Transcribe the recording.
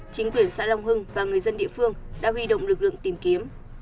chính quyền xã long hưng và người dân địa phương đã huy động lực lượng tìm kiếm